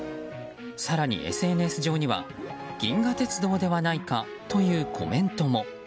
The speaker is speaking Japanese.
更にＳＮＳ上には銀河鉄道ではないかというコメントも。